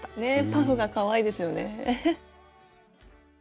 パフがかわいいですよね。